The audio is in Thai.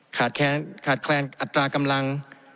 ขาดแคลนอัตรากำลัง